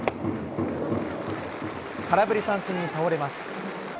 空振り三振に倒れます。